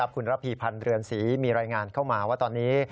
คุณระพีพันธ์เรือนศรีมีรายงานเข้ามาว่าตอนนี้